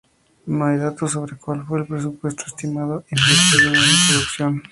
No hay datos sobre cual fue el presupuesto estimado invertido en la producción.